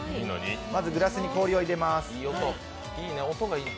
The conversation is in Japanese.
まずグラスに氷を入れます。